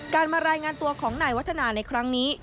มารายงานตัวของนายวัฒนาในครั้งนี้